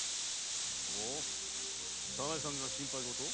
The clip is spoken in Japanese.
ほう早苗さんが心配ごと？